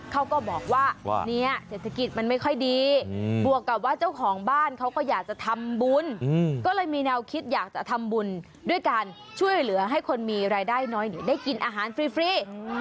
เขาก็บอกว่าเนี่ยเศรษฐกิจมันไม่ค่อยดีบวกกับว่าเจ้าของบ้านเขาก็อยากจะทำบุญก็เลยมีแนวคิดอยากจะทำบุญด้วยการช่วยเหลือให้คนมีรายได้น้อยได้กินอาหารฟรี